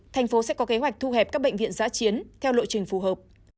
tp hcm sẽ có kế hoạch thu hẹp các bệnh viện giã chiến theo lộ trình phù hợp